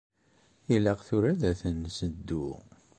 Ilaq tura ad ten-nseddu?